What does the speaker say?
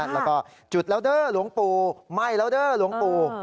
แล้วก็จุดแล้วเด้อหลวงปู่ไหม้แล้วเด้อหลวงปู่